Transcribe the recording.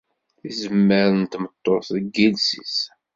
Tizemmar n tmeṭṭut deg yiles-is.